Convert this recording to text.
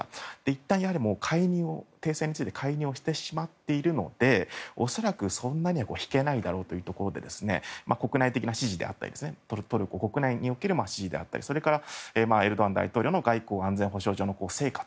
いったん、停戦について介入をしてしまっているので恐らく、そんなには引けないだろうというところでトルコ国内における支持であったりエルドアン大統領の外交安全保障上の成果